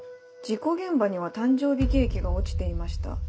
「事故現場には誕生日ケーキが落ちていました。